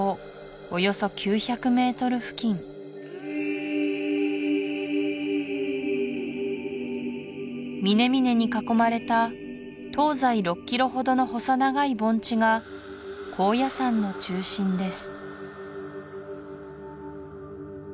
およそ９００メートル付近峰々に囲まれた東西６キロほどの細長い盆地が高野山の中心です